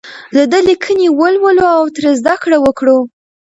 د ده لیکنې ولولو او ترې زده کړه وکړو.